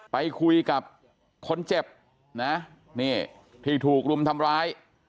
ไปคุยกับคนเจ็บนะนี่ที่ถูกรุมทำร้าย